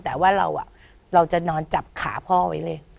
แต่ว่าเราจะนอนจับขาพ่อไว้เลย